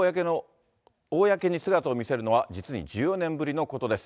公に姿を見せるのは、実に１４年ぶりのことです。